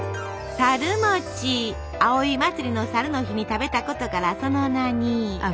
葵祭の申の日に食べたことからその名に。